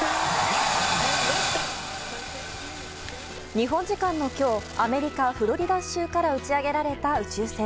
日本時間の今日アメリカ・フロリダ州から打ち上げられた宇宙船。